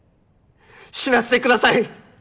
死なせてください！